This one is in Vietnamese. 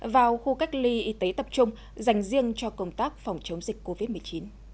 vào khu cách ly y tế tập trung dành riêng cho công tác phòng chống dịch covid một mươi chín